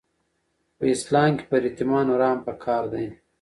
په اسلام کي پر یتیمانو رحم پکار دی.